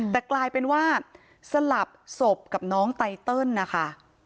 แต่กลายเป็นว่าสลับศพกับน้องไตเติลนะคะ